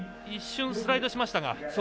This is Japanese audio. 一瞬スライドしましたが。